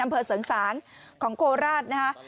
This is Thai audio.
อำเภอเสริงสางของโคราชนะฮะ